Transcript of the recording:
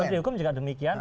menteri hukum juga demikian